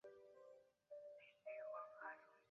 这是特别有用的与进口的型号或复杂的原生模式。